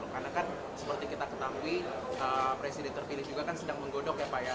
karena kan seperti kita ketahui presiden terpilih juga kan sedang menggodok ya pak ya